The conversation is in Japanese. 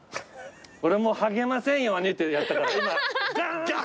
俺も「はげませんように」ってやったから今がん！